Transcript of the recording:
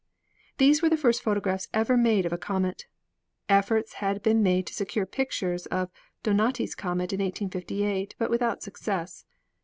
These were the first photographs ever made of a comet. Efforts had been made to secure pictures of Do nates comet in 1858, but without success.